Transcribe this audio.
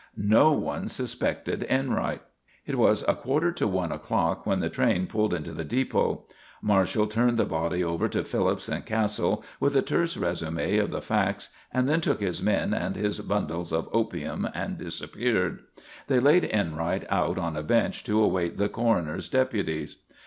"No one suspected Enright." It was a quarter to one o'clock when the train pulled into the depot. Marshall turned the body over to Phillips and Castle with a terse resume of the facts and then took his men and his bundles of opium and disappeared. They laid Enright out on a bench to await the coroner's deputies.